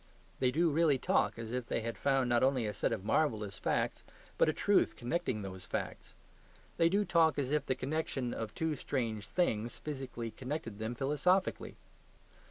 They do really talk as if they had found not only a set of marvellous facts, but a truth connecting those facts. They do talk as if the connection of two strange things physically connected them philosophically.